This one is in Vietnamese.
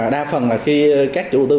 đa phần là khi các chủ đầu tư